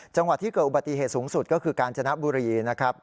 จังหวัดที่เกิดอุบัติเหตุสูงสุดก็คือกาญจนบุรีนะครับ